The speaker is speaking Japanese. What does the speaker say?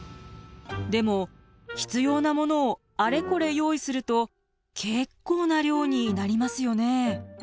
でも必要なものをあれこれ用意すると結構な量になりますよね。